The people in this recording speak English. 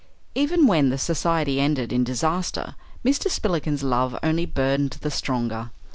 Even when the society ended in disaster Mr. Spillikins's love only burned the stronger.